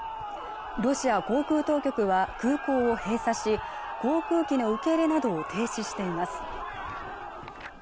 ロシア航空当局は空港を閉鎖し航空機の受け入れなどを停止しています